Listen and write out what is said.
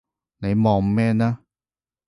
你望咩呢？